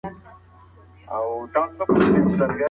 څېړنه د پوهې یوه نوې لاره ده.